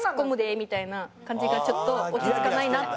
みたいな感じがちょっと落ち着かないなって。